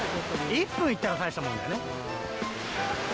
１分いったら大したもんだよね。